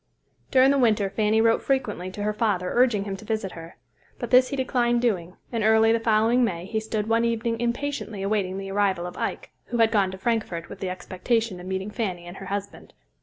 During the winter Fanny wrote frequently to her father urging him to visit her; but this he declined doing, and early the following May, he stood one evening impatiently awaiting the arrival of Ike, who had gone to Frankfort with the expectation of meeting Fanny and her husband.